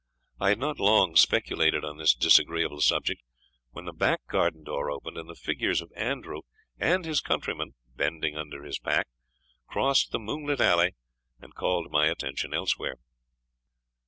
I had not long speculated on this disagreeable subject, when the back garden door opened, and the figures of Andrew and his country man bending under his pack crossed the moonlight alley, and called my attention elsewhere.